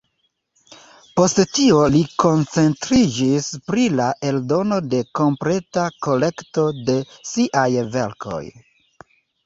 Post tio li koncentriĝis pri la eldono de kompleta kolekto de siaj verkoj.